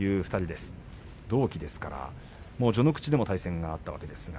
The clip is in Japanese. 同期ですから序ノ口でも対戦がありました。